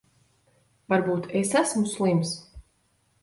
Varbūt es esmu slims.